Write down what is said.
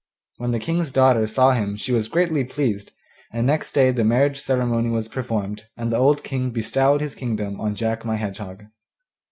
When the King's daughter saw him she was greatly pleased, and next day the marriage ceremony was performed, and the old King bestowed his kingdom on Jack my Hedgehog.